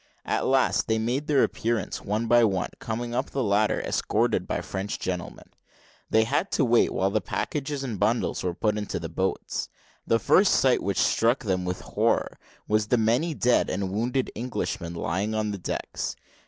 At last they made their appearance, one by one coming up the ladder, escorted by French gentlemen. They had to wait while the packages and bundles were put into the boats. The first sight which struck them with horror was the many dead and wounded Englishmen lying on the decks.